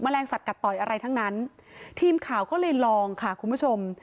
แรงสัตวกัดต่อยอะไรทั้งนั้นทีมข่าวก็เลยลองค่ะคุณผู้ชม